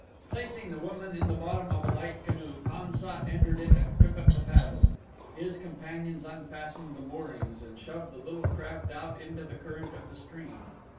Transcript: Placing the woman in the bottom of a light canoe Pan sat entered it and took up the paddle. His companions unfastened the moorings and shoved the little craft out into the current of the stream.